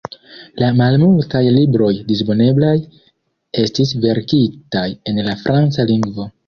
La malmultaj libroj disponeblaj estis verkitaj en la franca lingvo.